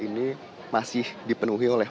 ini masih dipenuhi oleh